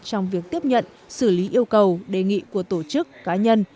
trong việc tiếp nhận xử lý yêu cầu đề nghị của tổ chức cá nhân